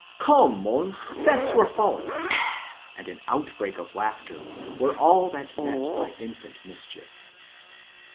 ^^Come, Mono, 'fess your faults," and an outbreak of laughter, were all that met my infant mischief.